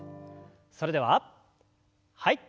それでははい。